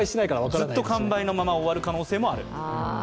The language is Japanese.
ずっと完売のまま、終わる可能性もある。